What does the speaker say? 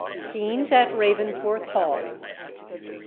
SCENES AT RAVENSWORTH HALL.